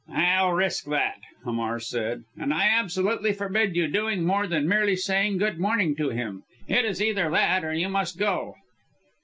"I'll risk that," Hamar said, "and I absolutely forbid you doing more than merely saying good morning to him. It is either that, or you must go."